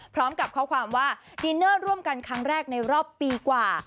พร้อมกับข้อความว่าดินเนอร์ร่วมกันครั้งแรกในรอบปีกว่า